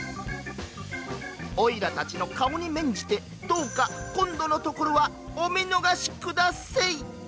「オイラたちの顔に免じてどうか今度のところはお見逃しくだせい！」。